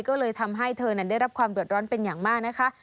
ก็เลยทำให้เธอนั้นได้รับความเดือดร้อนเป็นอย่างมากนะคะ